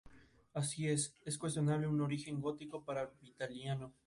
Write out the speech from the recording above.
El actual campeón es el Red Bull Salzburg.